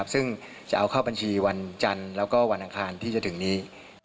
ซึ่งจะเอาเข้าบัญชีวันจันทร์แล้วก็วันอังคารที่จะถึงนี้